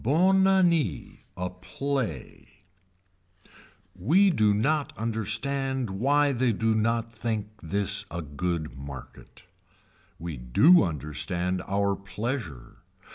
BONNE ANNEE A PLAY We do not understand why they do not think this a good market. We do understand our pleasure.